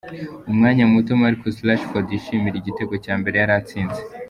Umwana muto Marcus Rashord yishimira igitego cyambere yari atsinze